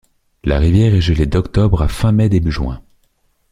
La rivière est gelée d'octobre à fin mai début juin.